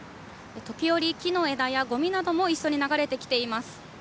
時折、木の枝やごみなども一緒に流れてきています。